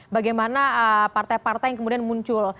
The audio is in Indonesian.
bagaimana partai partai yang kemudian muncul